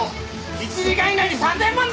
１時間以内に３０００万だ！